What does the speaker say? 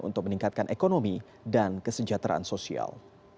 untuk meningkatkan ekonomi dan kesejahteraan sosial